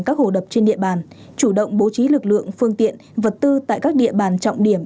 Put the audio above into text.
các hồ đập trên địa bàn chủ động bố trí lực lượng phương tiện vật tư tại các địa bàn trọng điểm